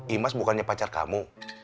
imas bukannya pacar kamu